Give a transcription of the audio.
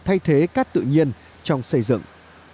thay thế cát tự nhiên trong xây dựng